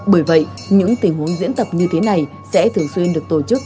bởi vậy những tình huống diễn tập như thế này sẽ thường xuyên được tổ chức